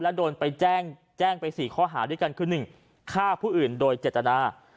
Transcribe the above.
แล้วโดนไปแจ้งไป๔ข้อหาด้วยกันคือ๑ฆ่าผู้อื่นโดยเจตนา